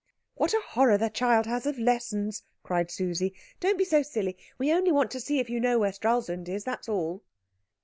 "What a horror the child has of lessons!" cried Susie. "Don't be so silly. We only want to see if you know where Stralsund is, that's all."